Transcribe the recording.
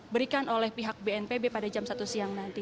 berikan oleh pihak bnpb pada jam satu siang nanti